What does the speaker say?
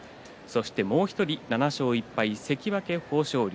もう１人７勝１敗、関脇豊昇龍